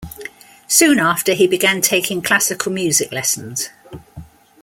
Soon after he began taking classical music lessons.